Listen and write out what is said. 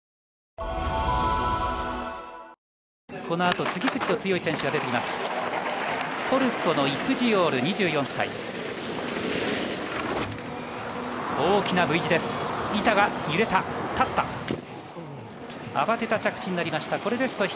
この後、次々と強い選手が出てきます。